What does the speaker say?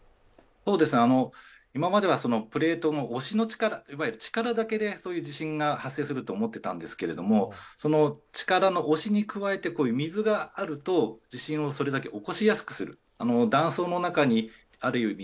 今まではプレートの力だけでそういう地震が発生すると思っていたんですけど力の押しに加えて水があると、地震をそれだけ起こしやすくする断層の中にある意味